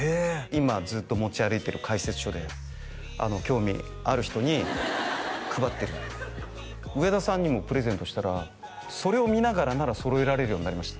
今ずっと持ち歩いてる解説書で興味ある人に配ってる上田さんにもプレゼントしたらそれを見ながらなら揃えられるようになりました